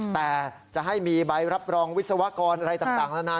แต่จะให้มีใบรับรองวิศวกรอะไรต่างนานา